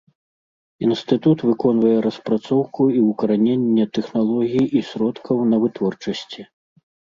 Інстытут выконвае распрацоўку і ўкараненне тэхналогій і сродкаў на вытворчасці.